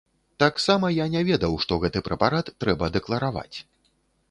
Таксама я не ведаў, што гэты прэпарат трэба дэклараваць.